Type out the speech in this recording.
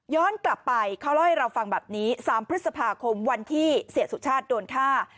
กลับไปเขาเล่าให้เราฟังแบบนี้๓พฤษภาคมวันที่เสียสุชาติโดนฆ่า